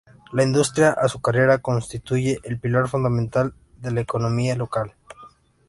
La industria azucarera constituye el pilar fundamental de la economía local.